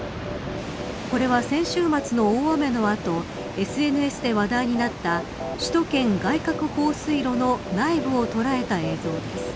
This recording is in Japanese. これは、先週末の大雨の後ＳＮＳで話題になった首都圏外郭放水路の内部を捉えた映像です。